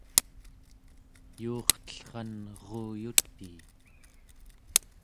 yuurtellran eruyutii